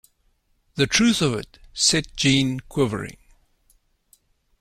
The truth of it set Jeanne quivering.